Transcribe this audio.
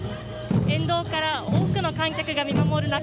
沿道から多くの観客が見守る中